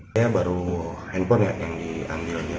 saya baru handphone yang diambil